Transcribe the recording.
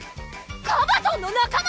カバトンの仲間